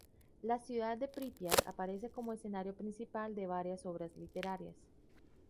La ciudad de Prípiat aparece como escenario principal de varias obras literarias.